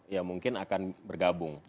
ya mungkin akan bergabung